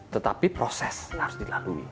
tetapi proses harus dilalui